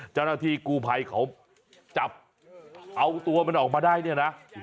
เจ้าหน้าที่กูภัยเขาจับเอาตัวมันออกมาได้เนี่ยนะ